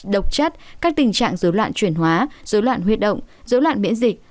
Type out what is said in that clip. độc chất các tình trạng dấu loạn chuyển hóa dấu loạn huyết động dấu loạn biễn dịch